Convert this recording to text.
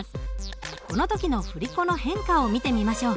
この時の振り子の変化を見てみましょう。